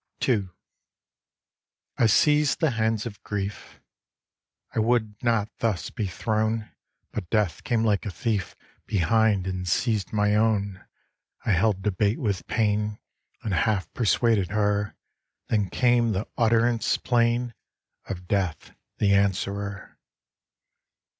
II I seized the hands of Grief; I would not thus be thrown; But Death came like a thief Behind and seized my own I held debate with Pain, And half persuaded her; Then came the utterance plain Of Death, the Answerer.